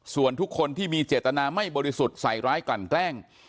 ส่วนทุกคนที่มีเจตนาไม่บริสุทธิ์ใส่ร้ายกลั่นแกล้ง